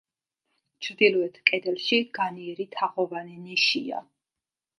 ჩრდილოეთ კედელში განიერი თაღოვანი ნიშია.